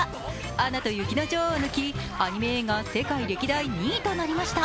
「アナと雪の女王」を抜きアニメ映画世界歴代２位となりました。